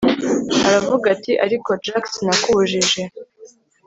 aravuga ati ariko jack sinakubujije